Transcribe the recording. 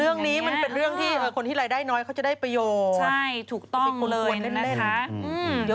เรื่องนี้มันเป็นเรื่องที่คนที่รายได้น้อยเขาจะได้ประโยชน์ใช่ถูกต้องเลยนะคะอือ